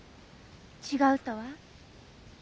違うとは？